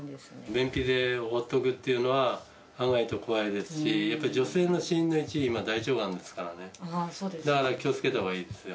便秘で放っておくっていうのは、考えてみると怖いですし、やっぱ女性の死因の１位、大腸がんですからね、だから気をつけたほうがいいですよ。